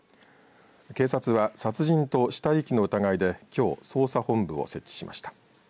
警察は殺人と死体遺棄の疑いできょう捜査本部を設置しました。